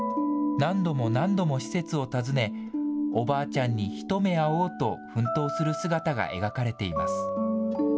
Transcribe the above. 何度も何度も施設を訪ね、おばあちゃんに一目会おうと奮闘する姿が描かれています。